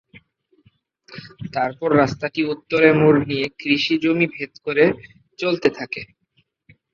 তারপর রাস্তাটি উত্তরে মোড় নিয়ে কৃষি জমি ভেদ করে চলতে থাকে।